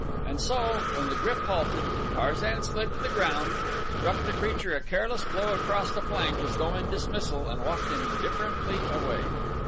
And so, when the GRYF halted, Tarzan slid to the ground, struck the creature a careless blow across the flank as though in dismissal and walked indifferently away.